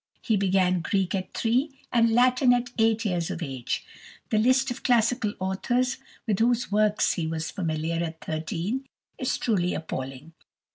He began Greek at three, and Latin at eight years of age. The list of classical authors with whose works he was familiar at thirteen is truly appalling.